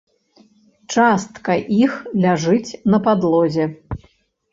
Частка іх ляжыць на падлозе.